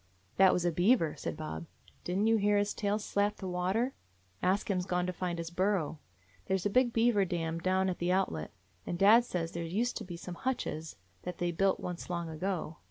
"That was a beaver," said Bob. "Didn't you hear his tail slap the water? Ask Him 's gone to find his burrow. There 's a big beaver dam down at the outlet, and dad says there used to be some hutches that they built once long ago.